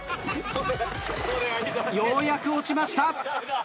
ようやく落ちました。